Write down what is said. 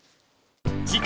［次回］